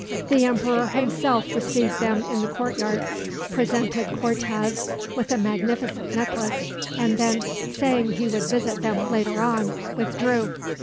The emperor himself received them in the courtyard, presented Cortez with a magnificent necklace, and then, saying he would visit them later on, withdrew.